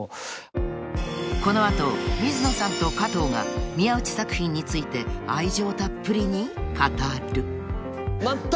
［この後水野さんと加藤が宮内作品について愛情たっぷりに語る］